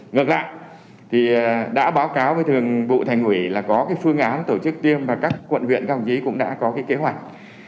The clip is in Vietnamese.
ngược lại đã báo cáo với thường vụ thành hủy là có phương án tổ chức tiêm và các quận huyện công chí cũng đã có kế hoạch